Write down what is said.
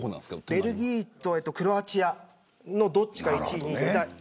ベルギーとクロアチアのどっちかですかね。